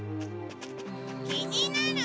気になる！